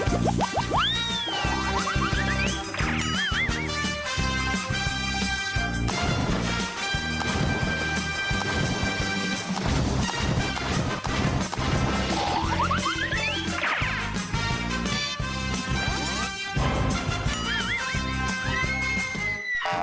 ฮ่าฮ่าฮ่า